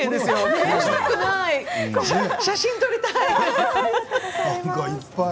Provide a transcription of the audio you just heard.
写真撮りたい。